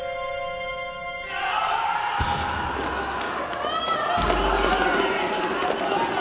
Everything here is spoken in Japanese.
・うわ！